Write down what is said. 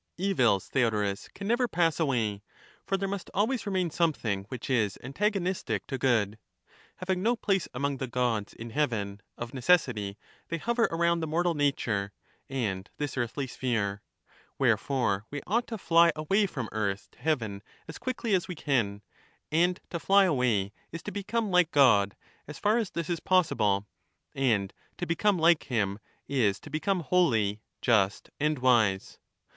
Evils, Theodorus, can never pass away; for there must always remain something which is antagonistic to good. Digitized by VjOOQIC Another digression* 235 Having no place among the gods in heaven, of necessity Theaetetus. they hover around the mortal nature, and this earthly sooutes, sphere. Wherefore we ought to fly away from earth to theodoios. heaven as quickly as we can ; and to fly away is to become ^«man like God, as far as this is possible; and to become like him, from which is to become holy, just, and wise.